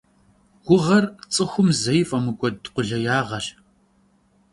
Гугъэр цӀыхум зэи фӀэмыкӀуэд къулеягъэщ.